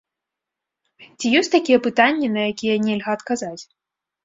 Ці ёсць такія пытанні, на якія нельга адказаць?